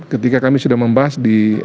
ketika kami sudah membahas di